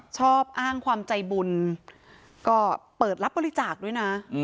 ชอบอ้างความใจบุญก็เปิดรับบริจาคด้วยนะ